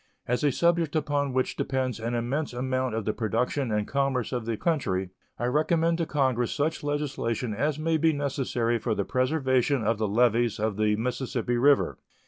As a subject upon which depends an immense amount of the production and commerce of the country, I recommend to Congress such legislation as may be necessary for the preservation of the levees of the Mississippi River.